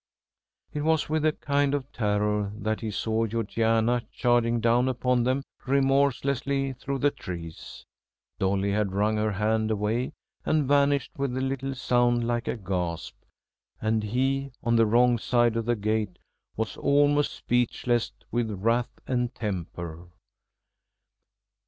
It was with a kind of terror that he saw Georgiana charging down upon them remorselessly through the trees. Dolly had wrung her hand away and vanished with a little sound like a gasp, and he, on the wrong side of the gate, was almost speechless with wrath and temper.